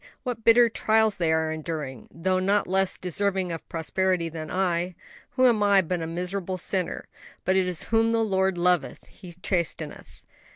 what bitter trials they are enduring; though not less deserving of prosperity than I, who am but a miserable sinner. But it is whom the Lord loveth He chasteneth."